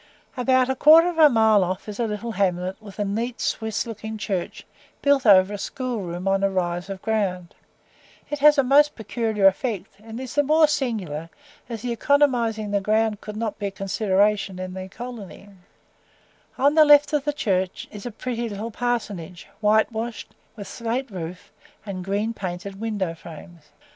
About a quarter of a mile off is a little hamlet with a neat Swiss looking church, built over a school room on a rise of ground; it has a most peculiar effect, and is the more singular as the economizing the ground could not be a consideration in the colony; on the left of the church is a pretty little parsonage, whitewashed, with slate roof and green painted window frames.